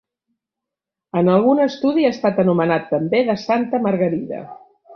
En algun estudi ha estat anomenat també de Santa Margarida.